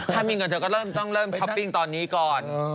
ถ้ามีเงินเธอก็เริ่มช้อปปิ้งตอนนี้ก่อน